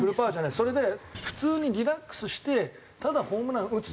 それで普通にリラックスしてただホームラン打つ。